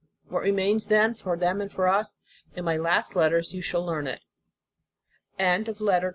What remains, then, for them and for us? In my last letters, you shall learn it TWENTY SECOND LETTER.